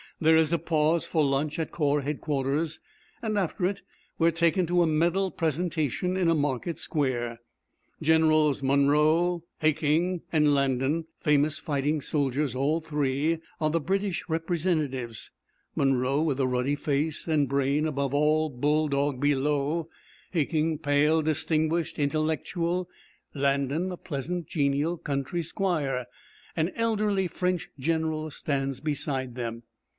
There is a pause for lunch at Corps Headquarters, and after it we are taken to a medal presentation in a market square. Generals Munro, Haking and Landon, famous fighting soldiers all three, are the British representatives. Munro with a ruddy face, and brain above all bulldog below; Haking, pale, distinguished, intellectual; Landon a pleasant, genial country squire. An elderly French General stands beside them.